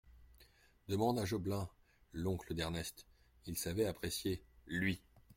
Demande à Jobelin, l’oncle d’Ernest… il savait l’apprécier, lui !